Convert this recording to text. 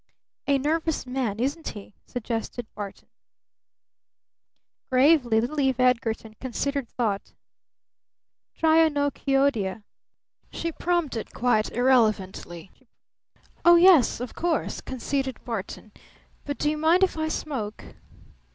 "A nervous man, isn't he?" suggested Barton. Gravely little Eve Edgarton considered the thought. "Trionychoidea," she prompted quite irrelevantly. "Oh, yes of course," conceded Barton. "But do you mind if I smoke?"